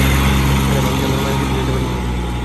Madam, আমি কি আমার মায়ের কাছে যেতে পারি?